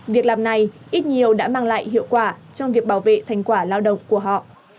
việc làm này ít nhiều đã mang lại hiệu quả trong việc bảo vệ thành quả lao động của họ